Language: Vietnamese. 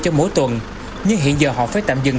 cho mỗi tuần nhưng hiện giờ họ phải tạm dừng